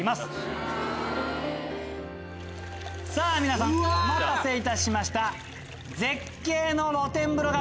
さぁ皆さんお待たせいたしました！